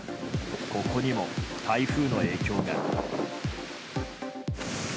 ここにも台風の影響が。